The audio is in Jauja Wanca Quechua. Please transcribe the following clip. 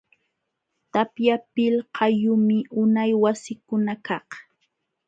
Tapya pilqayumi unay wasikunakaq.